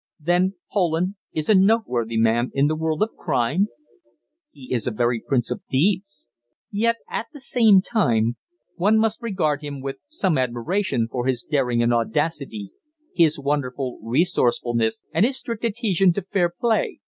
"Then Poland is a noteworthy man in the world of crime?" "He is a very prince of thieves. Yet, at the same time, one must regard him with some admiration for his daring and audacity, his wonderful resourcefulness and his strict adhesion to fair play.